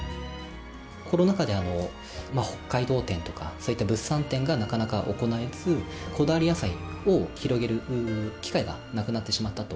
コロナ禍で北海道展とか、そういった物産展がなかなか行えず、こだわり野菜を広める機会がなくなってしまったと。